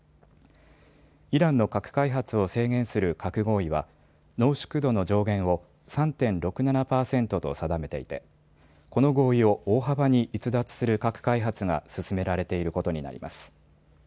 イランの核開発を制限する核合意は濃縮度の上限を３．６７％と定めていてこの合意を大幅に逸脱する核開発が進められていることになります。